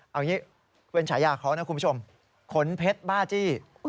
เอาอย่างนี้